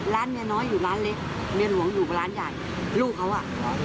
เมียน้อยอยู่ร้านเล็กเมียหลวงอยู่กับร้านใหญ่ลูกเขาอ่ะ